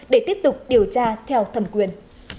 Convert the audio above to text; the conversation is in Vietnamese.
để tiếp tục điều tra theo thẩm quyền